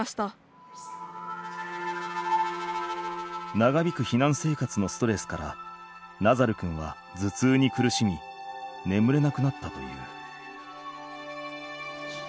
長引く避難生活のストレスからナザル君は頭痛に苦しみ眠れなくなったという。